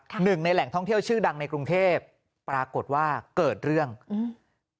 หนึ่งในแหล่งท่องเที่ยวชื่อดังในกรุงเทพปรากฏว่าเกิดเรื่องอืม